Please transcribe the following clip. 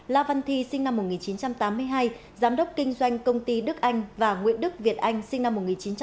la văn thi sinh năm một nghìn chín trăm tám mươi hai giám đốc kinh doanh công ty đức anh và nguyễn đức việt anh sinh năm một nghìn chín trăm tám mươi